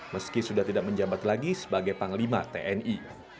meski sudah tidak menjabat lagi sebagai panglima tni